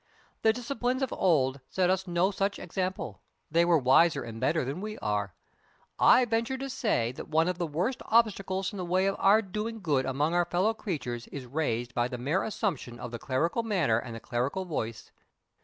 The disciples of old set us no such example; they were wiser and better than we are. I venture to say that one of the worst obstacles in the way of our doing good among our fellow creatures is raised by the mere assumption of the clerical manner and the clerical voice.